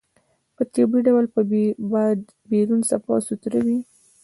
په طبيعي ډول به بيرون صفا سوتره وي.